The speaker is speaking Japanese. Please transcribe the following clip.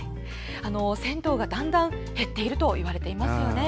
銭湯がだんだん減っているといわれていますよね。